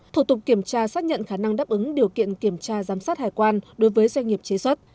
thủ tục kiểm tra xác nhận khả năng đáp ứng điều kiện kiểm tra giám sát hải quan đối với doanh nghiệp chế xuất